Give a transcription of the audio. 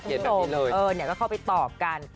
เออนี่ไงเข้าไปตอบกัน